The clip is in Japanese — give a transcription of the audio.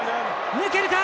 抜けるか？